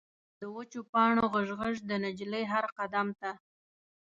د وچو پاڼو غژ، غژ، د نجلۍ هر قدم ته